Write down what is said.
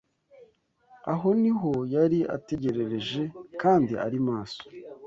aho ni ho yari ategerereje kandi ari maso.